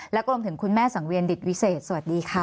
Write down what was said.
และรวมถึงคุณแม่สังเวียนดิตวิเศษสวัสดีค่ะ